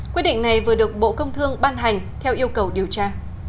quyết định này vừa được bộ công thương ban hành theo yêu cầu điều tra